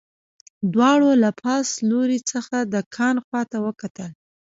دواړو له پاس لوري څخه د کان خواته وکتل